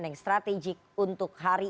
yang strategik untuk hari